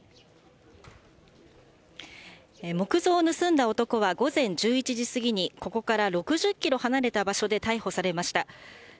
木像を盗んだ男は、午前１１時過ぎに、ここから６０キロ離れた場所で逮捕されました。